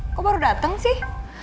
aku baru dateng sih